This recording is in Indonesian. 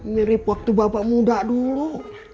mirip waktu bapak muda dulu